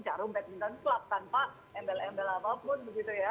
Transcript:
jarum badminton club tanpa embel embel apapun begitu ya